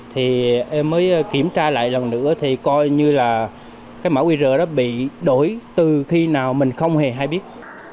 thì em mới kiểm tra lại lần nữa thì coi như là cái mã qr đó bị đổi từ khi nào mình không hề hay biết